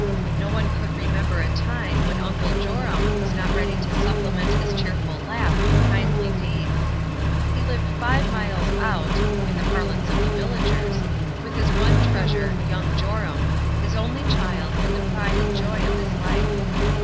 No one could remember a time when Uncle Joram was not ready to supplement his cheerful laugh with kindly deeds. He Uved five miles "out," in the parlance of the villagers, with his one treasure, young Joram, his only child and the pride and joy of his Ufe.